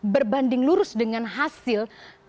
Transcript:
berbanding lurus dengan hasil